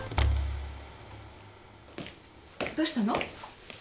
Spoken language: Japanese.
どうしたの？